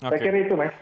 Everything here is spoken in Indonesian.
saya kira itu mas